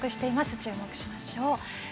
注目しましょう。